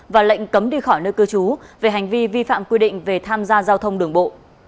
và lệnh cấm đi khỏi nơi cư trú về hành vi vi phạm quy định về tham gia giao thông đường bộ